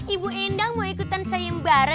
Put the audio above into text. ibu endang mau ikutan sayembara